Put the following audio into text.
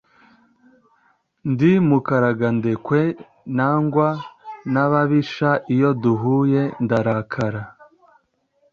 Ndi Mukaragandekwe nangwa n'ababisha iyo duhuye ndarakara!